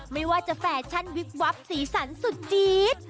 ไม่ว่าจะแฟชั่นวิบวับสีสันสุดจี๊ด